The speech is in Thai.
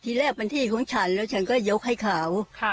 แรกเป็นที่ของฉันแล้วฉันก็ยกให้เขา